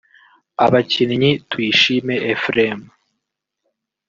abakinnyi Tuyishime Ephrem